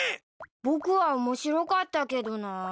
僕は面白かったけどなあ。